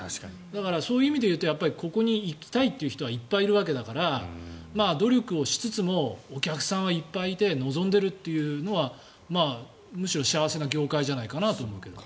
だからそういう意味で言うとここに行きたいという人はいっぱいいるわけだから努力をしつつもお客さんはいっぱいいて望んでいるというのはむしろ幸せな業界じゃないかなと思うけど。